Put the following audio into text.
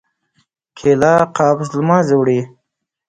کېله قبض له منځه وړي.